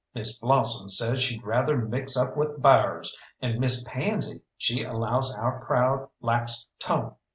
Miss Blossom says she'd rather mix up with bears, and Miss Pansy she allows our crowd lacks tone.